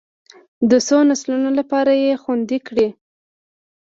د څو نسلونو لپاره یې خوندي کړي.